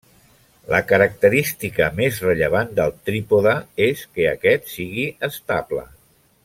La característica més rellevant del trípode és que aquest sigui estable.